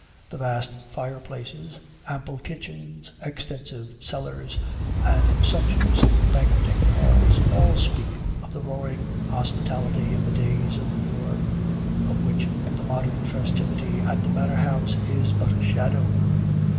The vast fireplaces, ample kitchens, extensive cellars, and sumptuous banqueting halls, all speak of the roaring hospitality of days of yore, of which the modern festivity at the manor house is but a shadow.